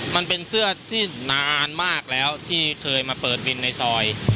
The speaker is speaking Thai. มันเป็นเสื้อที่นานมากแล้วที่เคยมาเปิดวินในซอย